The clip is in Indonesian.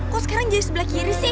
kok sekarang jadi sebelah kiri sih